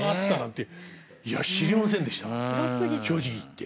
正直言って。